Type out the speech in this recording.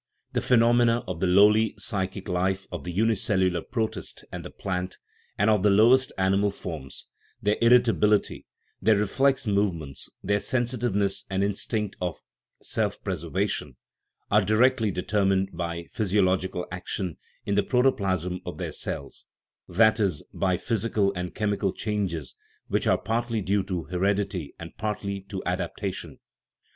The phenomena of the lowly psychic life of the unicellular protist and the plant, and of the lowest ani mal forms their irritability, their reflex movements, their sensitiveness and instinct of self preservation are directly determined by physiological action in the protoplasm of their cells that is, by physical and chemical changes which are partly due to heredity and partly to adaptation.